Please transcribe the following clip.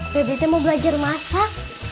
bebetnya mau belajar masak